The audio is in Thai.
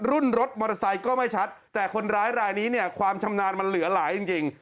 รุ่นรถมอเตอร์ไซค์ก็ไม่ชัดแต่คนร้ายรายนี้เนี่ยความชำนาญมันเหลือหลายจริง